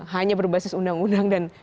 hanya berbasis undang undang dan